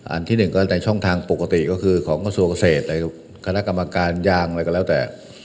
อันที่๑ในช่องทางปกติก็คือของส่วนกเศษคณะกรรมการยางอะไรก็แล้วแต่